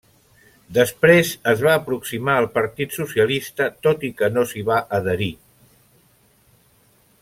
Després es va aproximar al Partit Socialista tot i que no s'hi va adherir.